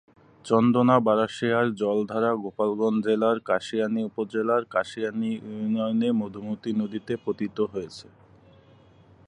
চন্দনা-বারাশিয়ার জলধারা গোপালগঞ্জ জেলার কাশিয়ানী উপজেলার কাশিয়ানী ইউনিয়নে মধুমতি নদীতে পতিত হয়েছে।